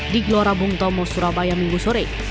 di gelora bung tomo surabaya minggu sore